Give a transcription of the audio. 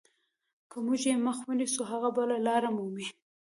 که موږ یې مخه ونیسو هغه بله لار مومي.